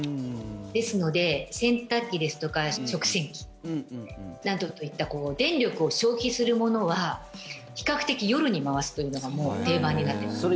ですので、洗濯機ですとか食洗機などといった電力を消費するものは比較的、夜に回すというのがもう定番になってます。